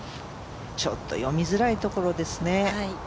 ちょっと読みづらいところですね。